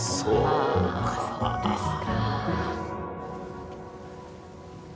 あそうですか。